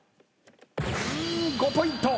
５ポイント。